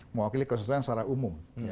mewakili kesusahan secara umum